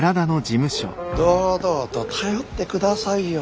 ・堂々と頼ってくださいよ。